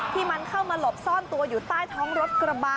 ที่มันเข้ามาหลบซ่อนตัวอยู่ใต้ท้องรถกระบะ